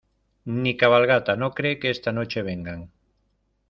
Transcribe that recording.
ni cabalgata no cree que esta noche vengan